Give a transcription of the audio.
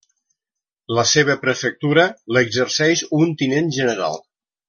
La seva prefectura l'exerceix un tinent general.